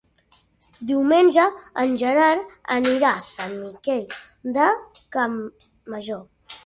Diumenge en Gerard anirà a Sant Miquel de Campmajor.